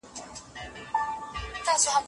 څه ډول خپل ځانګړی استعداد او د ژوند هدف پیدا کړو؟